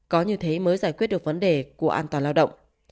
có như thế mới giải quyết được vấn đề của an toàn lao động